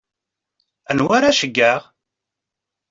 Anwa ara ceggɛeɣ?